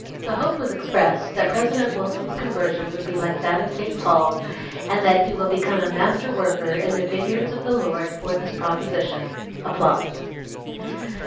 The hope was expressed that President Wilson's conversion would be like that of St. Paul, "and that he will become a master worker in the vineyards of the Lord for this proposition."